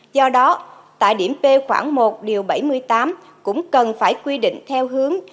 do đó tại điểm b khoảng một điều bảy mươi tám cũng cần phải quy định theo hướng